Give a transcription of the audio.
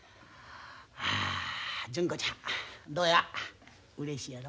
ああ純子ちゃんどうやうれしいやろ？